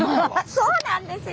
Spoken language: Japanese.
そうなんですよ！